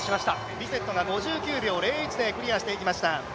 ビセットが５９秒０１でクリアしていきました。